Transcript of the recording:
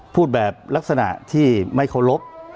พูดแบบลักษณะที่ไม่เคารพ